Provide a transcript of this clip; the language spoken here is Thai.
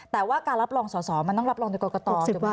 แต่ว่าการรับรองสอสอมันต้องรับรองในกรกตถูกป่